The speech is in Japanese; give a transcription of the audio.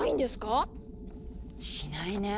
しないね。